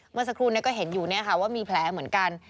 เมื่อสักครู่ก็เห็นอยู่ว่ามีแผลเหมือนกัน